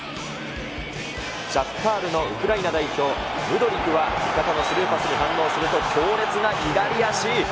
シャフタールのウクライナ代表、ムドリクは味方のスルーパスに反応すると強烈な左足。